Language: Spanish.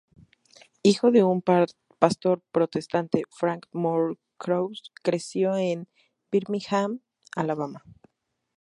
Hijo de un pastor protestante, Frank Moore Cross creció en Birmingham, Alabama.